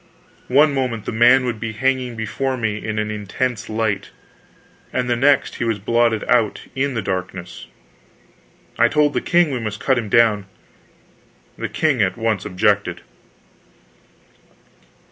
One moment the man would be hanging before me in an intense light, and the next he was blotted out again in the darkness. I told the king we must cut him down. The king at once objected.